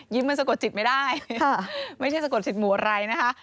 ยิ้มมันสะกดจิตไม่ได้ไม่ใช่สะกดจิตหมูอะไรนะคะ